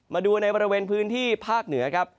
มาดูในบริเวณพื้นที่ภาคเหนือครับ